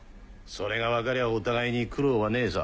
それが分かりゃお互いに苦労はねえさ。